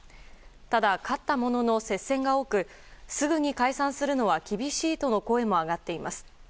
ただ、勝ったものの接戦が多くすぐに解散するのは厳しいとの声も上がっています。